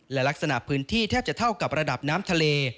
และลักษณะพื้นที่แทบจะเท่ากับระดับน้ำทะเล